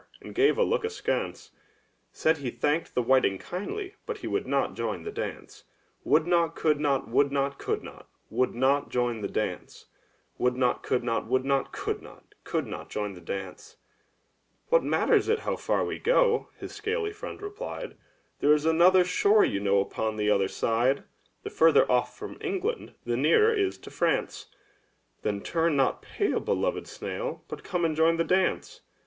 and gave a look askance — Said he thanked the whiting kindly, but he would not join the dance. Would not, could not; would not, could not; would not join the dance. Would not, could not; would not, could not; could not join the dance. • From Alice In Wonderland. The Mock Turtle sings the song to Alice and the Gryphon. THE TREASURE CHEST 'What matters it how far we go?" his scaly friend replied; There is another shore you know upon the other side. The further ofif from England, the nearer is to France, Then turn not pale, beloved snail, but come and join the dance.